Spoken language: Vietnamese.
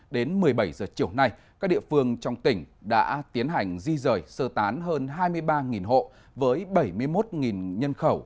đến một mươi bảy h chiều nay các địa phương trong tỉnh đã tiến hành di rời sơ tán hơn hai mươi ba hộ với bảy mươi một nhân khẩu